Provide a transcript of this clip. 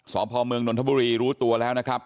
สพเมืองนนทบุรีรู้ตัวแล้วนะครับ